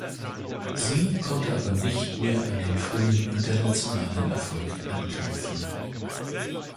Sie konnte aber nicht mehr an den frühen internationalen Erfolg anknüpfen.